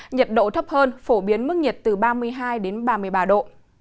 nhiệt độ thấp hơn phổ biến mức nhiệt từ ba mươi hai đến ba mươi ba độ